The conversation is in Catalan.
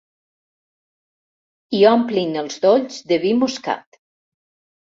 I omplen els dolls de vi moscat.